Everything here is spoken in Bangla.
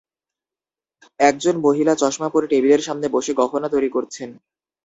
একজন মহিলা চশমা পরে টেবিলের সামনে বসে গহনা তৈরি করছেন।